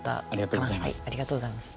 ありがとうございます。